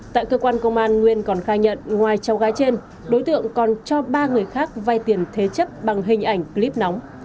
tại cơ quan công an nguyên còn khai nhận ngoài cháu gái trên đối tượng còn cho ba người khác vay tiền thế chấp bằng hình ảnh clip nóng